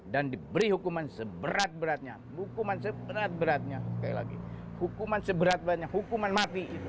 dan diberi hukuman seberat beratnya hukuman seberat beratnya hukuman mati itu saja